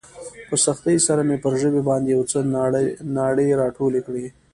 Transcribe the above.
په سختۍ سره مې پر ژبې باندې يو څه ناړې راټولې کړې.